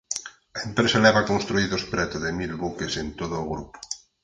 A empresa leva construídos preto de mil buques en todo o grupo.